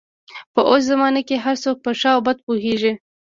په اوس زمانه کې هر څوک په ښه او بده پوهېږي.